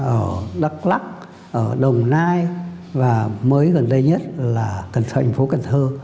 ở đắk lắc ở đồng nai và mới gần đây nhất là thành phố cần thơ